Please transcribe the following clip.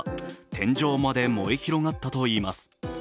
天井まで燃え広がったといいます。